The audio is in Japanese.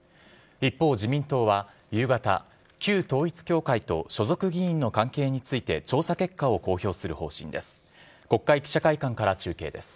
一方、自民党は夕方旧統一教会と所属議員の関係について調査結果を公表する方針です。